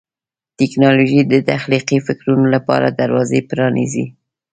ټیکنالوژي د تخلیقي فکرونو لپاره دروازې پرانیزي.